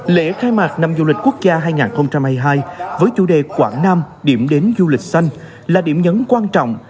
lễ khai mạc năm du lịch quốc gia hai nghìn hai mươi hai với chủ đề quảng nam điểm đến du lịch xanh là điểm nhấn quan trọng